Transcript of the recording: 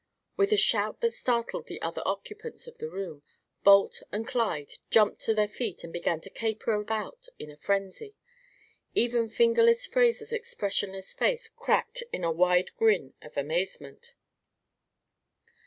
With a shout that startled the other occupants of the room, Balt and Clyde jumped to their feet and began to caper about in a frenzy. Even "Fingerless" Fraser's expressionless face cracked in a wide grin of amazement.